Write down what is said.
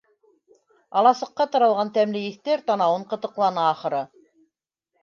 Аласыҡҡа таралған тәмле еҫтәр танауын ҡытыҡланы, ахыры.